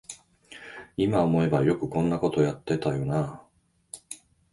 いま思えばよくこんなことやってたよなあ